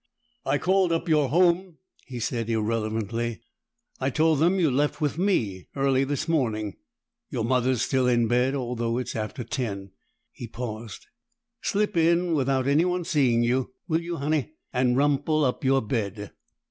"I called up your home," he said irrelevantly. "I told them you left with me early this morning. Your mother's still in bed, although it's after ten." He paused. "Slip in without anyone seeing you, will you, Honey? And rumple up your bed."